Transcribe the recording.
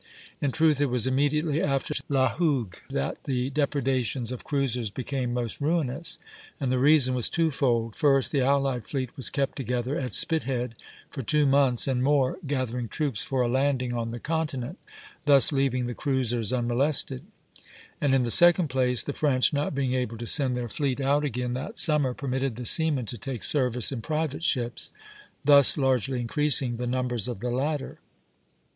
In truth, it was immediately after La Hougue that the depredations of cruisers became most ruinous; and the reason was twofold: first, the allied fleet was kept together at Spithead for two months and more, gathering troops for a landing on the continent, thus leaving the cruisers unmolested; and in the second place, the French, not being able to send their fleet out again that summer, permitted the seamen to take service in private ships, thus largely increasing the numbers of the latter.